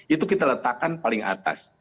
itu kita letakkan paling atas